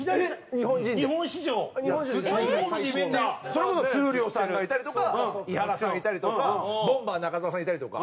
それこそ闘莉王さんがいたりとか井原さんがいたりとかボンバー中澤さんいたりとか。